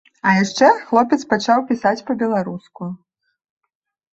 А яшчэ хлопец пачаў пісаць па-беларуску.